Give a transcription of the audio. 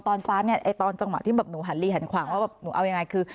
ตอนฟ้าเนี่ยตอนจังหวะที่แบบหนูหันลีหันขวางว่าแบบหนูเอายังไงคือ